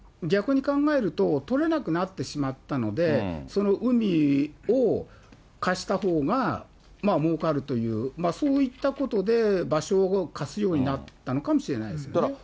逆に考えると、取れなくなってしまったので、その海を貸したほうがもうかるという、そういったことで、場所を貸すようになったのかもしれないですね。